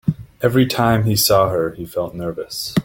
Every time he saw her, he felt nervous.